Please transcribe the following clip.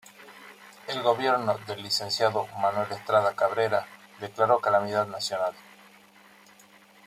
El gobierno del licenciado Manuel Estrada Cabrera declaró calamidad nacional.